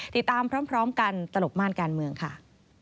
ติดตามพร้อมกันตลบม่านการเมืองค่ะ